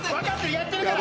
やってるから！